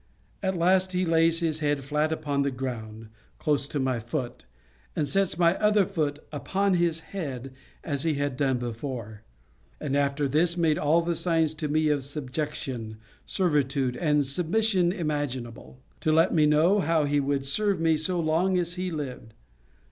At last he lays his head flat upon the ground, close to my foot, and sets my other foot upon his head, as he had done before; and after this made all the signs to me of subjection, servitude, and submission imaginable, to let me know how he would serve me so long as he lived.